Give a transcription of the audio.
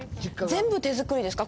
全部手作りですか？